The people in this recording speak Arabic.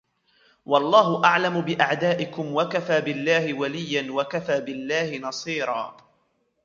والله أعلم بأعدائكم وكفى بالله وليا وكفى بالله نصيرا